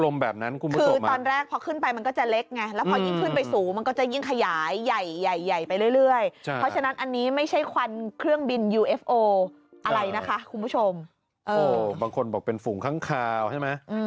มันก็ขึ้นไป